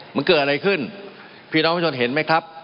มันเกิดอะไรขึ้นพี่น้องประชาชนเห็นไหมครับ